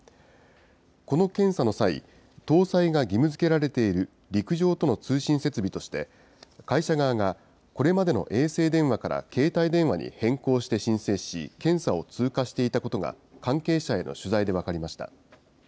この検査の際、搭載が義務づけられている陸上との通信設備として、会社側が、これまでの衛星電話から携帯電話に変更して申請し、検査を通過していたことが、関係者への取材で分かりました。